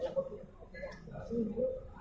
แล้วก็สู้กันกันกันสู้